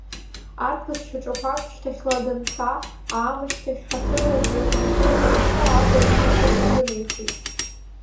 Арԥыс шьаҿақәак шьҭахьла данца аамышьҭахь ҳаҭырла дҩахынҳәын иҽы аӷәра шикыз иҿынеихеит.